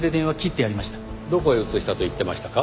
どこへ移したと言ってましたか？